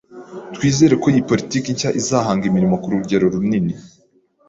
Twizere ko iyi politiki nshya izahanga imirimo ku rugero runini.